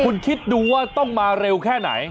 คุณคิดดูว่าต้องมาเร็วแค่ไหน